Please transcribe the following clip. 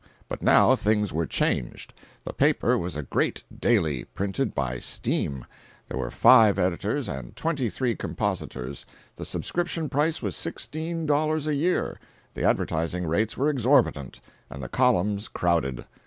But now things were changed. The paper was a great daily, printed by steam; there were five editors and twenty three compositors; the subscription price was sixteen dollars a year; the advertising rates were exorbitant, and the columns crowded.